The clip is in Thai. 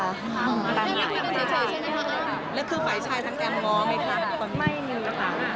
แล้วคือฝ่ายชายทั้งแอมง้อไหมครับ